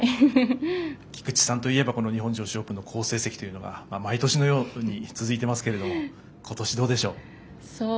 菊地さんといえば日本女子オープンの好成績というのが毎年のように続いてますけど今年どうでしょう？